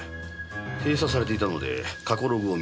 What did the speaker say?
閉鎖されていたので過去ログを見つけました。